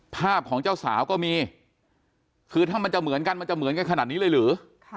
ภาพของเจ้าสาวก็มีคือถ้ามันจะเหมือนกันมันจะเหมือนกันขนาดนี้เลยหรือ